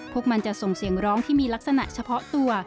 พวกมันจะส่งเสียงร้องที่มีลักษณะเฉพาะตัว